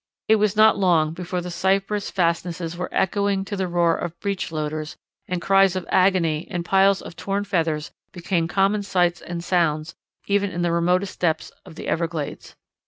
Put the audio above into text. It was not long before the cypress fastnesses were echoing to the roar of breech loaders, and cries of agony and piles of torn feathers became common sounds and sights even in the remotest depths of the Everglades.